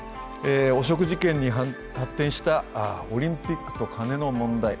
汚職事件に発展したオリンピックとカネの問題。